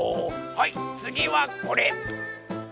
はいつぎはこれ！